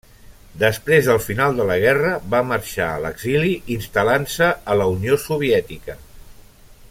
Després del final de la guerra va marxar a l'exili, instal·lant-se a la Unió Soviètica.